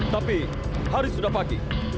tapi hari sudah pagi